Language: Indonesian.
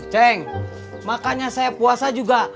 ceng makanya saya puasa juga